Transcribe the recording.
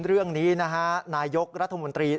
เรื่องนี้นะฮะนายกรัฐมนตรี